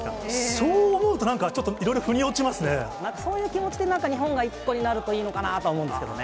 そう思うと、なんかちょっと、なんかそういう気持ちでなんか、日本が一個になるといいのかなと思うんですけどね。